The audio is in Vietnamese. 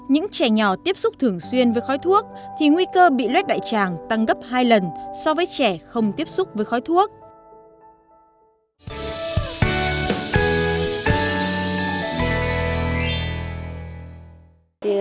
những trẻ nhỏ tiếp xúc thường xuyên với khói thuốc thì nguy cơ bị lét đại tràng tăng gấp hai lần so với trẻ không tiếp xúc với khói thuốc